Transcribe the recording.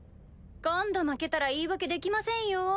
今度負けたら言い訳できませんよ。